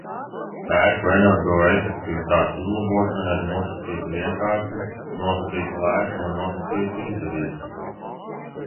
Ēku energoefektivitātes uzlabošana ir nosacīti vienkārša, nosacīti lēta un nosacīti izdevīga.